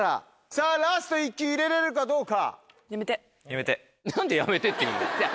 さぁラスト１球入れれるかどうか。